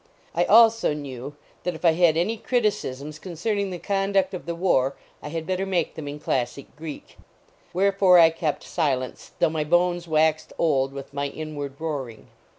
I also knew that if I had any criticisms concerning the conduct of the war I had better make them in classic Greek. Wherefore I kept silence, though my bones waxed old with my inward roaring.